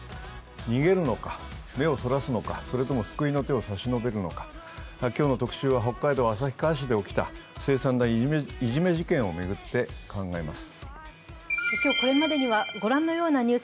逃げるのか、目をそらすのか、それとも救いの手を差し伸べるのか今日の「特集」は北海道旭川市で起きた、凄惨ないじめ事件を巡って考えます。